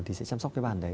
thì sẽ chăm sóc cái bàn đấy